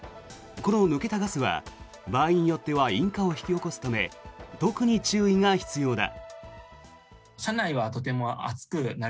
この抜けたガスは場合によっては引火を引き起こすため特に注意が必要だ。